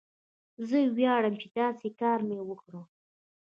زه ویاړم چې داسې کار مې وکړ.